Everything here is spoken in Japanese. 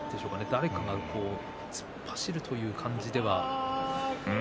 誰かが突っ走るという感じでは。